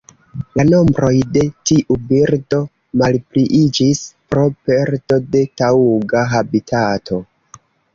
La nombroj de tiu birdo malpliiĝis pro perdo de taŭga habitato.